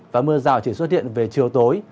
và mưa rào chỉ xuất hiện về chiều tối